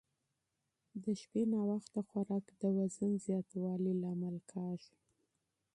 د شپې ناوخته خوراک د وزن زیاتوالي سبب کېږي.